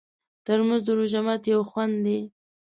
ترموز د روژه ماتي یو خوند دی.